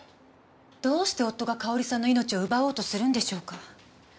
どうして夫が佳保里さんの命を奪おうとするんでしょうか？